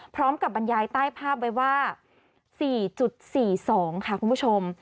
พร้อมกับบรรยายใต้ภาพไว้ว่า๔๔๒ค่ะคุณผู้ชม